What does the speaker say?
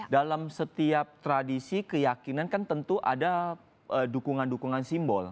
dalam setiap tradisi keyakinan kan tentu ada dukungan dukungan simbol